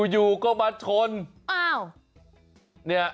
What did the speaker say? อยู่ก็มาชน